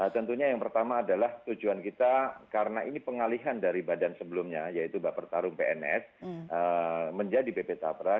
tentunya yang pertama adalah tujuan kita karena ini pengalihan dari badan sebelumnya yaitu bapak pertarung pns menjadi bp tapra